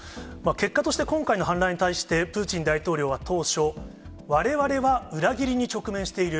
結果として今回の反乱に対して、プーチン大統領は当初、われわれは裏切りに直面している。